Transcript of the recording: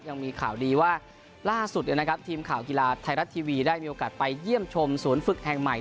ยังมีข่าวดีว่าล่าสุดทีมข่าวกีฬาไทยรัฐทีวีได้มีโอกาสไปเยี่ยมชมศูนย์ฝึกแห่งใหม่